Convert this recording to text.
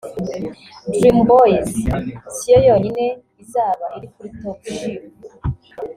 Dream boys si yo yonyine izaba iri kuri Top Cheif